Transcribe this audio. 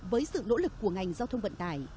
với sự nỗ lực của ngành giao thông vận tải